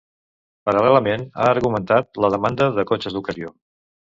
Paral·lelament, ha augmentat la demanda de cotxes d'ocasió.